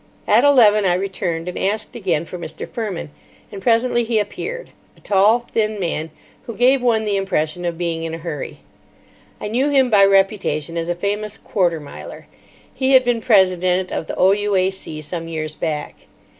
At eleven I returned, and asked again for Mr. Fermin; and presently he appeared—a tall, thin man, who gave one the impression of being in a hurry. I knew him by reputation as a famous quarter miler. He had been president of the O.U.A.C. some years back.